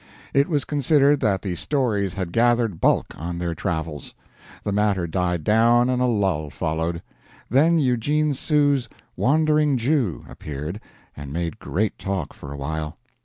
It was considered that the stories had gathered bulk on their travels. The matter died down and a lull followed. Then Eugene Sue's "Wandering Jew" appeared, and made great talk for a while.